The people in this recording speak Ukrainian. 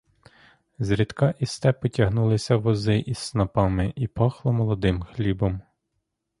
Зрідка із степу тягнулися вози із снопами і пахло молодим хлібом.